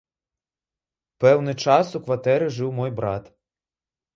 Пэўны час у кватэры жыў мой брат.